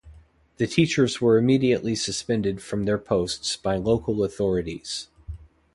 The teachers were immediately suspended from their posts by local authorities.